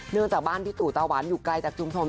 เนื้อจากบ้านที่ตู่ตาหวานอยู่ไกลจากชุมครม